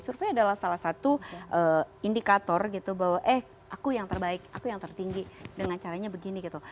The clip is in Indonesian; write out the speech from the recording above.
survei adalah salah satu indikator gitu bahwa eh aku yang terbaik aku yang tertinggi dengan caranya begini gitu